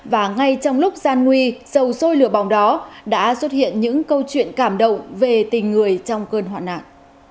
và ngay trong lúc gian nguy sầu sôi lửa bóng đó đã xuất hiện những câu chuyện cảm động về tình người trong cơn hoạn nạn